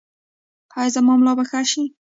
ایا زما ملا به ښه شي؟